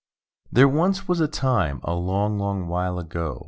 There once was a time—a long, long while ago.